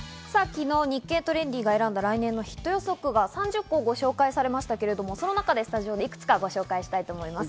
昨日『日経トレンディ』が選んだ来年のヒット予測が３０個、ご紹介されましたが、その中でいくつかスタジオで紹介したいと思います。